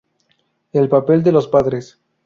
El papel de los padres.